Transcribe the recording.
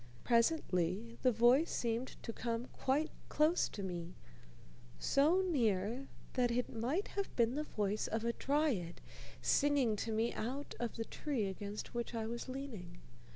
Presently the voice seemed to come quite close to me, so near that it might have been the voice of a dryad singing to me out of the tree against which I was leaning.